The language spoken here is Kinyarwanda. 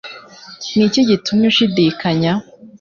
ni iki gitumye ushidikanya?»